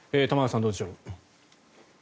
玉川さんどうでしょう。